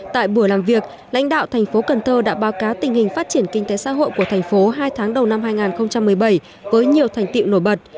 tại buổi làm việc lãnh đạo thành phố cần thơ đã báo cáo tình hình phát triển kinh tế xã hội của thành phố hai tháng đầu năm hai nghìn một mươi bảy với nhiều thành tiệu nổi bật